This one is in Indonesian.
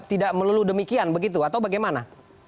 tidak melulu demikian begitu atau bagaimana